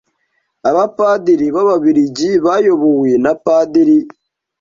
abapadiri b’ababiligi bayobowe na Padiri